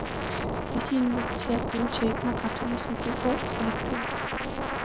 მისი ინიციატივით შეიქმნა ქართული საცირკო კოლექტივი.